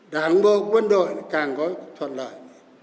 đảng bộ quân đội càng có thuận lợi